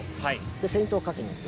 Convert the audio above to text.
フェイントをかけに行く。